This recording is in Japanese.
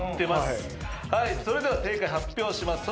それでは正解発表します。